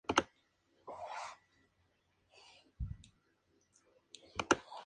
Los jinetes son protagonistas con las destrezas criollas y el juego de rienda.